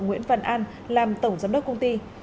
nguyễn văn an làm tổng giám đốc công ty